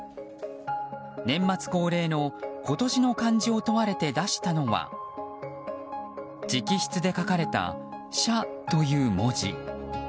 年末恒例の今年の漢字を問われて出したのは直筆で書かれた「謝」という文字。